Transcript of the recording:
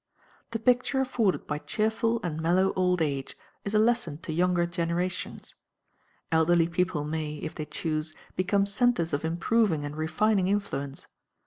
The picture afforded by cheerful and mellow old age is a lesson to younger generations. Elderly people may, if they choose, become centers of improving and refining influence.